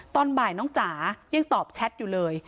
ตอนบ่ายน้องจ๋ายังตอบแชทอยู่เลย